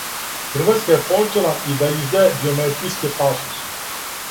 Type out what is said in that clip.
Хрватска је почела и да издаје биометријске пасоше.